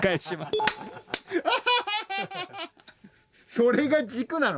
それが軸なの？